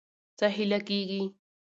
څخه هيله کيږي